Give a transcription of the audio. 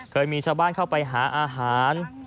เคยมีชาวบ้านเข้าไปหาอาหาร